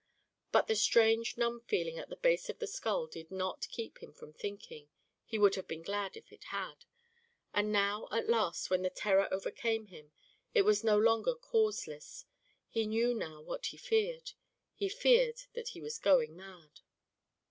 But the strange numb feeling at the base of the skull did not keep him from thinking he would have been glad if it had and now at last when the terror overcame him it was no longer causeless; he knew now what he feared he feared that he was going mad.